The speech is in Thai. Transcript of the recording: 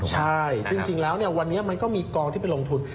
ใช่จริงแล้ววันนี้มันก็มีกองที่ไปลงทุน